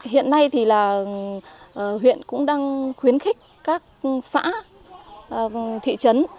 hiện nay thì là huyện cũng đang khuyến khích các xã thị trấn